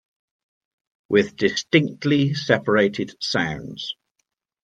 With distinctly separated sounds.